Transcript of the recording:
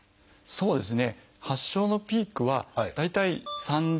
そうですね。